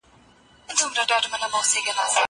زه اوږده وخت موبایل کاروم؟!